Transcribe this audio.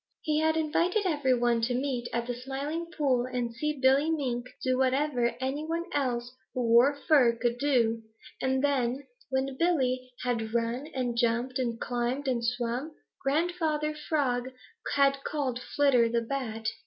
He had invited every one to meet at the Smiling Pool and see Billy Mink do whatever any one else who wore fur could do, and then, when Billy had run and jumped and climbed and swum, Grandfather Frog had called Flitter the Bat.